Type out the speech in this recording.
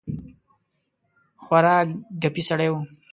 خورا ګپي سړی وو.